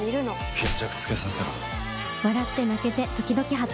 決着つけさせろ。